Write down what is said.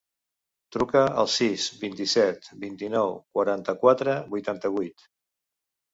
Truca al sis, vint-i-set, vint-i-nou, quaranta-quatre, vuitanta-vuit.